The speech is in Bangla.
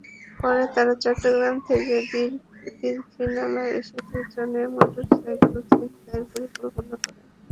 পরে তাঁরা চট্টগ্রাম থেকে দীঘিনালা এসে দুজনে মোটরসাইকেল ছিনতাইয়ের পরিকল্পনা করেন।